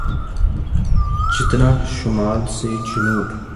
جتنا شمال سے جنوب۔